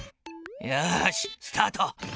よしスタート。